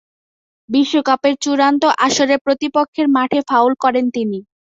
বিশ্বকাপের চূড়ান্ত আসরে প্রতিপক্ষের মাঠে ফাউল করেন তিনি।